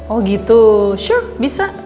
oh gitu sure bisa